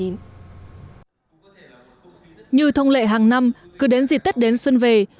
như thông lệ hàng năm cứ đến dịp tết đến xuân về